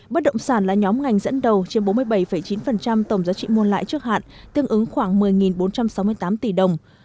bất động sản là nhóm ngành dẫn đầu chiếm bốn mươi bảy chín tổng giá trị mua lại trước hạn tương ứng khoảng một mươi bốn trăm sáu mươi tám tỷ đồng